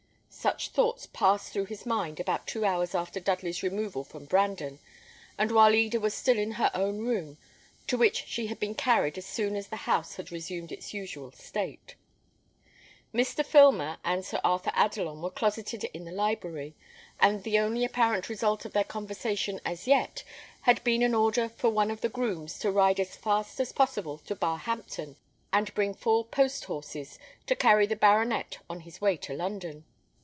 Such thoughts passed through his mind about two hours after Dudley's removal from Brandon, and while Eda was still in her own room, to which she had been carried as soon as the house had resumed its usual state. Mr. Filmer and Sir Arthur Adelon were closeted in the library; and the only apparent result of their conversation as yet had been an order for one of the grooms to ride as fast as possible to Barhampton, and bring four post horses to carry the baronet on his way to London.